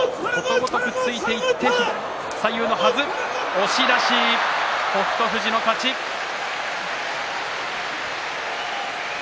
押し出し北勝富士の勝ちです。